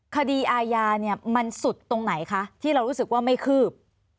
คดีอาญาเนี่ยมันสุดตรงไหนคะที่เรารู้สึกว่าไม่คืบ